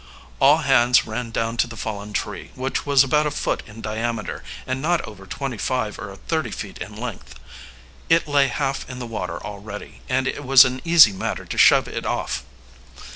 All hands ran down to the fallen tree, which was about a foot in diameter and not over twenty five or thirty feet in length. It lay half in the water already, and it was an easy matter to shove it off.